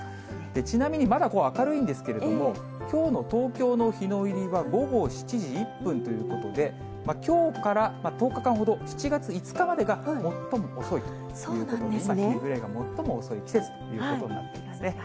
ちなみに、まだ明るいんですけれども、きょうの東京の日の入りは午後７時１分ということで、きょうから１０日間ほど、７月５日までが最も遅いということで、今、日暮れが最も遅い季節ということになっていますね。